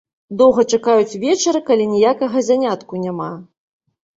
Доўга чакаюць вечара, калі ніякага занятку няма.